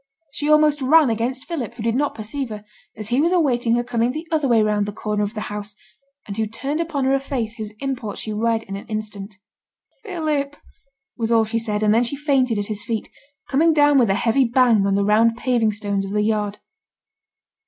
She almost ran against Philip, who did not perceive her, as he was awaiting her coming the other way round the corner of the house, and who turned upon her a face whose import she read in an instant. 'Philip!' was all she said, and then she fainted at his feet, coming down with a heavy bang on the round paving stones of the yard.